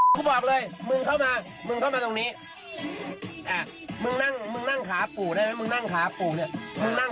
ถือเพลง